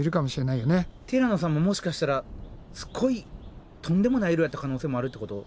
ティラノさんももしかしたらすっごいとんでもない色やった可能性もあるってこと？